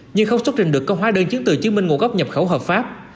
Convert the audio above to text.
nhưng không xuất trình được công hóa đơn chứng từ chứng minh nguồn gốc nhập khẩu hợp pháp